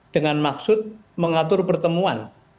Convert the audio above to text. dengan maksud mengatur pertemuan